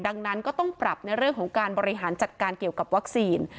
ดังนั้นก็ต้องปรับในเรื่องของการบริหารจัดการเกี่ยวกับวัคซีน